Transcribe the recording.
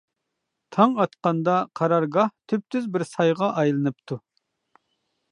تاڭ ئاتقاندا قارارگاھ تۈپتۈز بىر سايغا ئايلىنىپتۇ.